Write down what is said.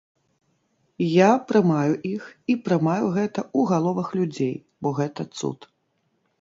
Я прымаю іх і прымаю гэта у галовах людзей, бо гэта цуд.